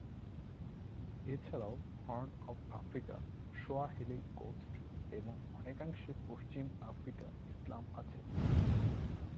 এছাড়াও Horn of Africa, Swahili coast ও অনেকাংশ পশ্চিম আফ্রিকা ইসলাম আছে।